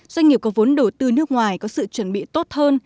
doanh nghiệp có vốn đầu tư nước ngoài có sự chuẩn bị tốt hơn